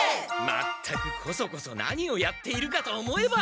全くコソコソ何をやっているかと思えば！